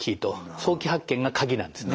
早期発見が鍵なんですね。